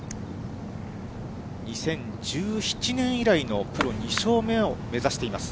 ２０１７年以来のプロ２勝目を目指しています。